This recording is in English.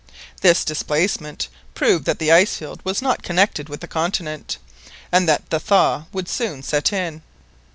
This displacement proved that the ice field was not connected with the continent, and that the thaw would soon set in.